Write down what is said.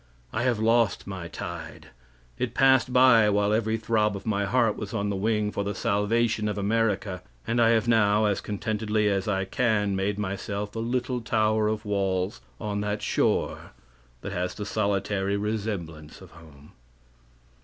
I have lost my tide; it passed by while every throb of my heart was on the wing for the salvation of America, and I have now, as contentedly as I can, made myself a little tower of walls on that shore that has the solitary resemblance of home."